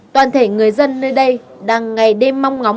toàn thể người dân nơi đây đang ngày đêm mong ngóng